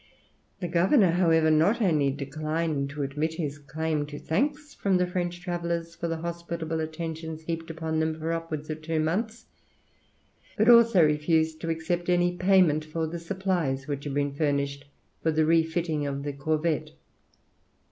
The governor, however, not only declined to admit his claim to thanks from the French travellers for the hospitable attentions heaped upon them for upwards of two months; but also refused to accept any payment for the supplies which had been furnished for the refitting of the corvette.